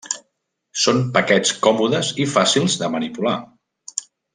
Són paquets còmodes i fàcils de manipular.